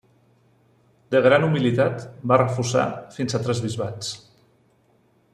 De gran humilitat, va refusar fins a tres bisbats.